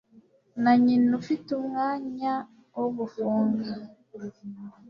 na nyina ufite umwanya wo gufunga